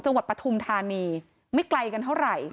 จังหวัดปฐุมธานีไม่ไกลกันเท่าไรอืม